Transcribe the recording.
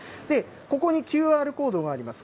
ここにＱＲコードがあります。